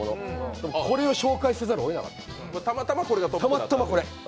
でもこれを紹介せざるをえなかった、たまたまこれ。